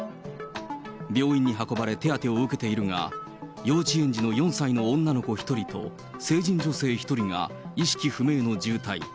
病院に運ばれ、手当てを受けているが、幼稚園児の４歳の女の子１人と、成人女性１人が意識不明の重体。